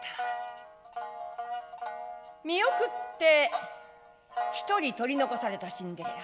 見送って一人取り残されたシンデレラ。